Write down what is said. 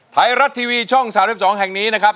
ไทยรัฐทีวีช่อง๓๒แห่งนี้นะครับ